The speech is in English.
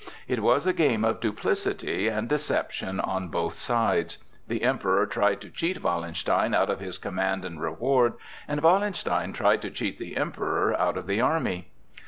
It was a game of duplicity and deception on both sides. The Emperor tried to cheat Wallenstein out of his command and reward, and Wallenstein tried to cheat the Emperor out of the army.